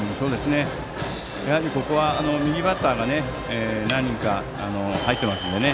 やはりここは右バッターが何人か入ってますんでね。